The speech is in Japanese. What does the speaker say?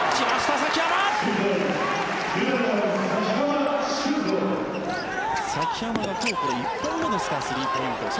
崎濱が今日、これ１本目ですかスリーポイント。